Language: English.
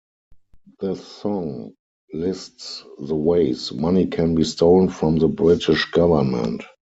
The song lists the ways money can be stolen from the British government.